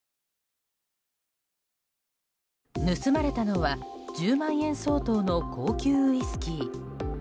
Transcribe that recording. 盗まれたのは１０万円相当の高級ウイスキー。